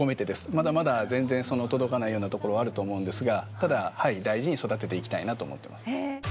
まだまだ全然届かないようなところはあると思うんですが大事に育てていきたいなと思ってます。